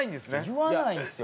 言わないんですよ